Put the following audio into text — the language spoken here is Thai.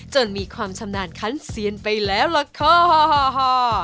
มีความชำนาญคันเซียนไปแล้วล่ะค่ะ